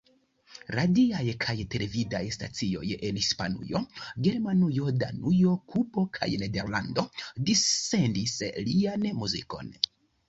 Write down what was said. Radiaj kaj televidaj stacioj en Hispanujo, Germanujo, Danujo, Kubo kaj Nederlando dissendis lian muzikon.